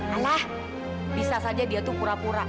anak bisa saja dia tuh pura pura